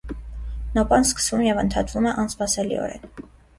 Նոպան սկսվում և ընդհատվում է անսպասելիորեն։